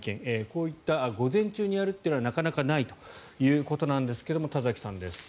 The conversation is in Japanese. こういった午前中にやるというのはなかなかないということなんですが田崎さんです。